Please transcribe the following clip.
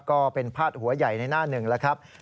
ก็เป็นพาดหัวใหญ่ในหน้าหนึ่งแล้วครับ